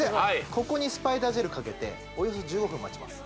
ここにスパイダージェルかけておよそ１５分待ちます